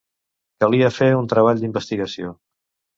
Calia fer un treball d'investigació.